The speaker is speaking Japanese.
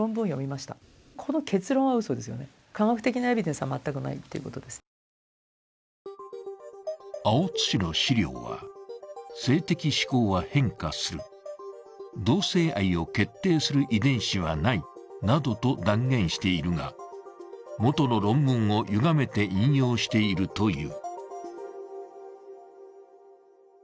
しかし青津氏の資料は、性的指向は変化する、同性愛を決定する遺伝子はないなどと断言しているが、元の論文をゆがめて引用しているという。